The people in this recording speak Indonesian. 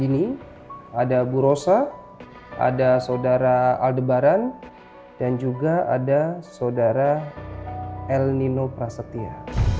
ini ada bu rosa ada saudara al debaran dan juga ada saudara el nino prasetya